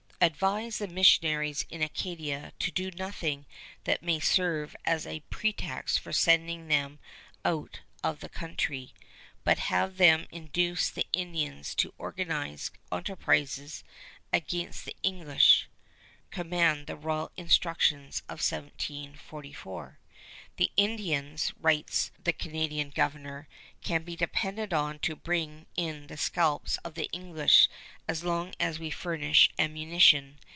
"Advise the missionaries in Acadia to do nothing that may serve as a pretext for sending them out of the country, but have them induce the Indians to organize enterprises against the English," command the royal instructions of 1744. "The Indians," writes the Canadian Governor, "can be depended on to bring in the scalps of the English as long as we furnish ammunition.